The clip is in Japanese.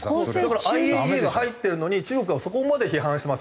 だからＩＡＥＡが入ってるのに中国はそこまで批判してます。